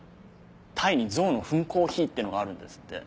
タイにゾウの糞コーヒーってのがあるんですって。